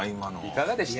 いかがでした？